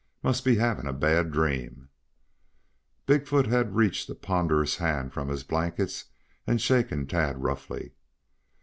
Must be having a bad dream." Big foot had reached a ponderous hand from his blankets and shaken Tad roughly.